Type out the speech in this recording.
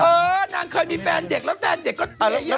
เออนางเคยมีแฟนเด็กแล้วแฟนเด็กก็เยอะแยะ